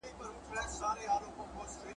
زه بې عقل وم چی کسب می خطا کړ ,